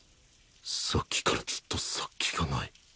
さっきからずっと殺気がない